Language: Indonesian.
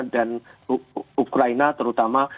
dan ukraina terutama